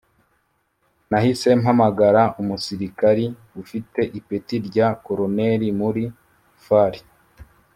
nahise mpamagara umusirikari ufite ipeti rya koloneli muri far,